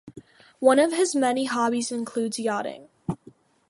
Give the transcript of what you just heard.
One of his many hobbies includes yachting.